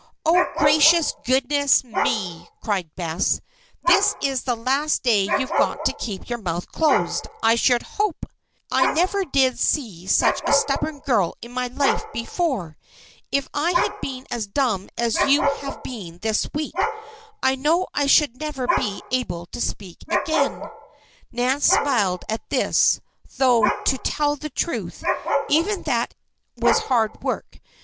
"Oh, gracious goodness me!" cried Bess. "This is the last day you've got to keep your mouth closed, I should hope! I never did see such a stubborn girl in my life before! If I had been as dumb as you have been this week, I know I should never be able to speak again." Nan smiled at this; though to tell the truth, even that was hard work.